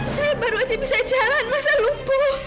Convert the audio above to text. saya baru aja bisa jalan masa lumpuh